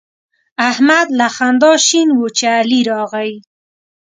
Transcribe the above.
احمد له خندا شین وو چې علي راغی.